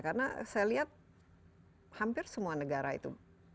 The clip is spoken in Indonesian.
karena saya lihat hampir semua negara itu